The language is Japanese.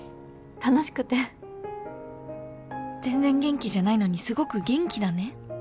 楽しくて全然元気じゃないのに「すごく元気だね」